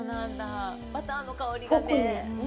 バターの香りがね。